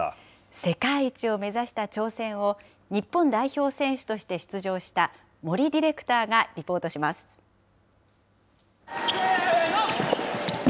世界一を目指した挑戦を、日本代表選手として出場した森ディレクターがリポートします。